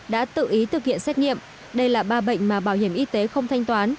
đã tự ý thực hiện xét nghiệm đây là ba bệnh mà bảo hiểm y tế không thanh toán